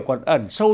còn ẩn sâu